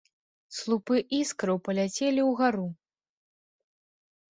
Слупы іскраў паляцелі ўгару.